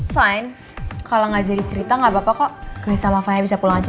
fine kalau gak jadi cerita gak apa apa kok gue sama vanya bisa pulang aja